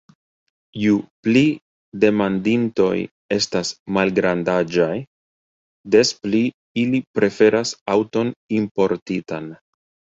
Ju pli demanditoj estas malgrandaĝaj, des pli ili preferas aŭton importitan.